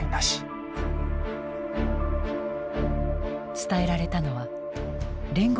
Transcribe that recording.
伝えられたのは聯合